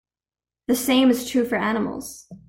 The same is true for animals.